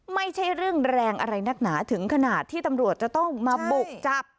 ไม่ใช่เรื่องแรงอะไรนักหนาถึงขนาดที่ตำรวจจะต้องมาบุกจับ